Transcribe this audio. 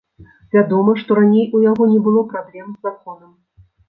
Вядома, што раней у яго не было праблем з законам.